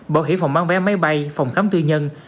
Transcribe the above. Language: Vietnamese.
bảo hiểm phòng bán vé máy bay phòng khám tư nhân